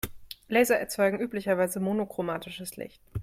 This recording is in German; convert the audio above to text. Laser erzeugen üblicherweise monochromatisches Licht.